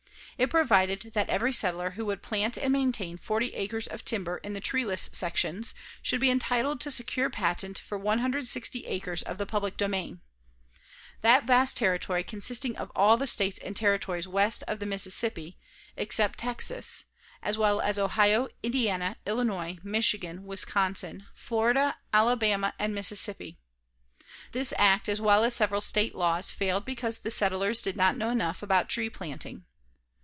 It provided that every settler who would plant and maintain 40 acres of timber in the treeless sections should be entitled to secure patent for 160 acres of the public domain that vast territory consisting of all the states and territories west of the Mississippi, except Texas, as well as Ohio, Indiana, Illinois, Michigan, Wisconsin, Florida, Alabama and Mississippi. This act, as well as several State laws, failed because the settlers did not know enough about tree planting.